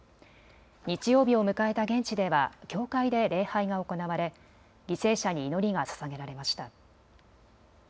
日曜日を迎えた現地では教会で礼拝が行われ犠牲者に祈りがささげられました。